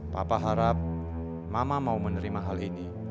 papa harap mama mau menerima hal ini